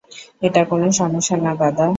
এটা কোনো সমস্যা না, দাদা।